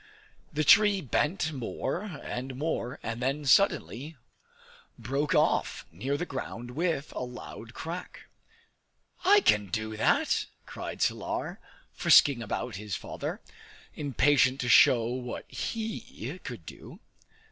The tree bent more and more, and then suddenly broke off near the ground with a loud crack. "I can do that!" cried Salar, frisking around his father, impatient to show what he could do.